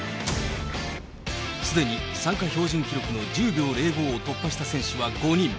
すでに参加標準記録の１０秒０５を突破した選手は５人。